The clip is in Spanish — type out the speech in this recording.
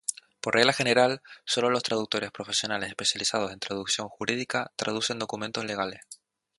Por regla general, sólo los traductores profesionales especializados en traducción jurídica traducen documentos legales.